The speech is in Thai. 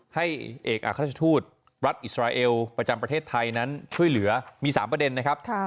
ให้เอกอัครราชทูตรัฐอิสราเอลประจำประเทศไทยนั้นช่วยเหลือมี๓ประเด็นนะครับ